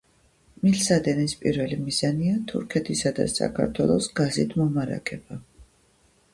მილსადენის პირველი მიზანია თურქეთისა და საქართველოს გაზით მომარაგება.